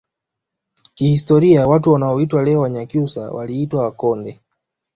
Kihistoria watu wanaoitwa leo Wanyakyusa waliitwa Wakonde